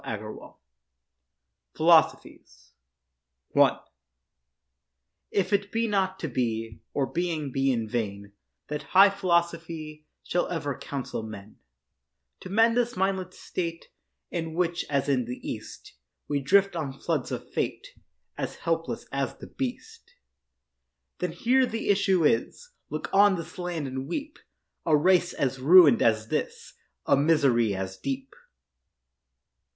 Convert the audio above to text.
PHILOSOPHIES I If it be not to be, Or being be in vain, That high philosophy Shall ever counsel men To mend this mindless state In which, as in the East, We drift on floods of fate, As helpless as the beast, Then here the issue is— Look on this land and weep— A race as ruin'd as this, A misery as deep.